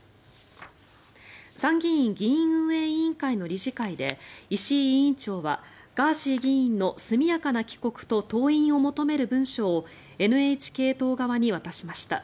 参議院議院運営委員会の理事会で石井委員長はガーシー議員の速やかな帰国と登院を求める文書をＮＨＫ党側に渡しました。